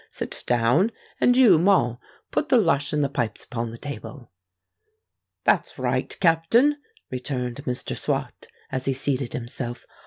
Sit down; and you, Moll, put the lush and the pipes upon the table." "That's right, Captain," returned Mr. Swot, as he seated himself.